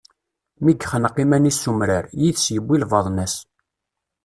Mi yexneq iman-is s umrar, yid-s yuwi lbaḍna-s.